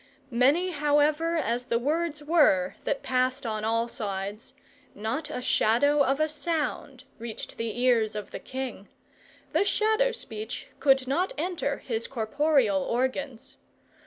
Many, however, as the words were that passed on all sides, not a shadow of a sound reached the ears of the king: the shadow speech could not enter his corporeal organs.